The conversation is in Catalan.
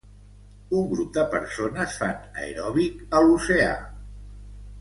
Un grup de persones fan aeròbic a l'oceà.